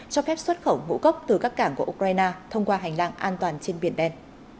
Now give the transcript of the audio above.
cho phép xuất khẩu ngũ cốc từ các cảng của ukraine thông qua hành lang an toàn trên biển đen